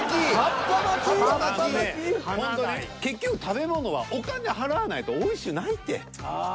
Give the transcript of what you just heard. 結局食べ物はお金払わないとおいしゅうないって。ああ。